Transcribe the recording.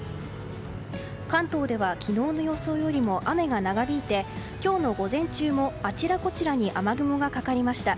関東では昨日の予想よりも雨が長引いて今日の午前中も、あちらこちらに雨雲がかかりました。